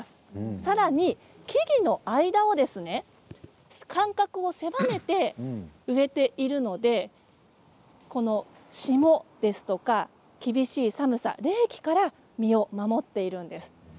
さらに木々の間を間隔を狭めて植えているので霜ですとか厳しい寒さ冷気から実を守っているんです。